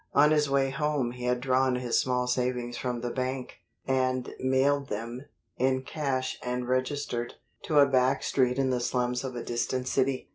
On his way home he had drawn his small savings from the bank, and mailed them, in cash and registered, to a back street in the slums of a distant city.